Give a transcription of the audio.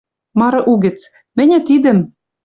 Мары угӹц: «Мӹньӹ тидӹм